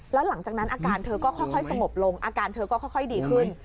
แล้วหลังจากนั้นอาการเธอก็ค่อยสงบลงอาการเธอก็ค่อยดีขึ้น